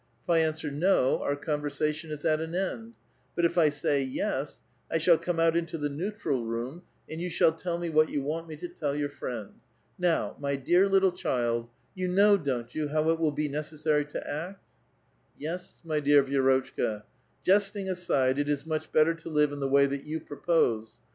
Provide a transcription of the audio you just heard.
* If I answer ' no ' our conversation is at an end ; but if I say ' yes * 1 shall come out into the neutral room, and you shall tell me what you want me to tell your friend. Now, my dear little child, you know, don't you, how it will be necessaiy to act?" " Yes, my dear Vi^rotchka, jesting aside, it is much better to live in the way that you propose.